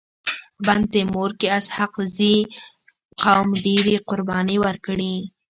بند تيمور کي اسحق زي قوم ډيري قرباني ورکړي.